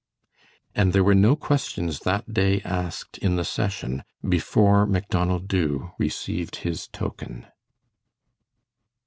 And there were no questions that day asked in the session before Macdonald Dubh received his token.